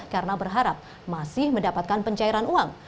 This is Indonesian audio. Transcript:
karena berharap masih mendapatkan pencairan uang